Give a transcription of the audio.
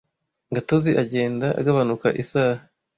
Gatozi agenda agabanuka isaha.